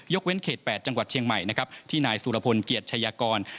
เว้นเขต๘จังหวัดเชียงใหม่นะครับที่นายสุรพลเกียรติชายากร